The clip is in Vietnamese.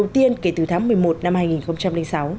từ tháng một mươi một năm hai nghìn sáu